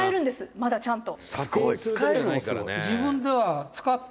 まだ、ちゃんと」